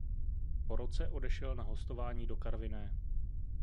Po roce odešel na hostování do Karviné.